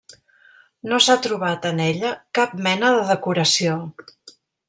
No s'ha trobat en ella cap mena de decoració.